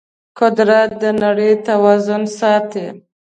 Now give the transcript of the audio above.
قدرت د نړۍ توازن ساتي.